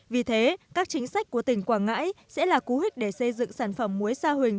vì thế các chính sách của tỉnh quảng ngãi sẽ là cú hích để xây dựng sản phẩm muối sa huỳnh